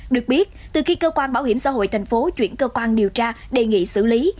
được biết từ khi cơ quan bảo hiểm xã hội thành phố chuyển cơ quan điều tra đề nghị xử lý